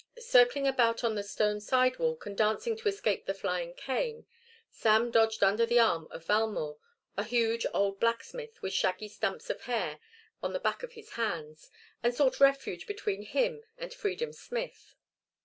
Circling about on the stone sidewalk and dancing to escape the flying cane, Sam dodged under the arm of Valmore, a huge old blacksmith with shaggy clumps of hair on the back of his hands, and sought refuge between him and Freedom Smith.